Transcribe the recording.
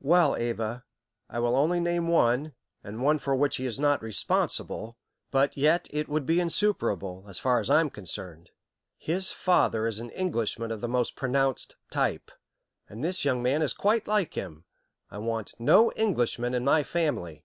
"Well, Ava, I will only name one, and one for which he is not responsible; but yet it would be insuperable, as far as I am concerned. His father is an Englishman of the most pronounced type, and this young man is quite like him. I want no Englishman in my family."